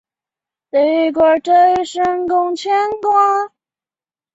霍纳迪制造公司和手装器具出名。